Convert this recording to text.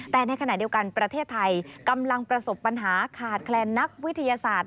แต่ในขณะเดียวกันประเทศไทยกำลังประสบปัญหาขาดแคลนนักวิทยาศาสตร์